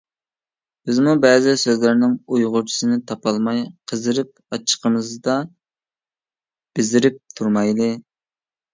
بىزمۇ بەزى سۆزلەرنىڭ ئۇيغۇرچىسىنى تاپالماي قىزىرىپ، ئاچچىقىمىزدا بېزىرىپ تۇرمايلى.